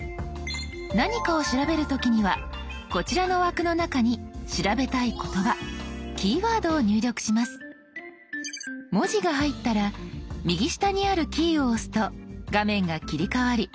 何かを調べる時にはこちらの枠の中に調べたい言葉文字が入ったら右下にあるキーを押すと画面が切り替わり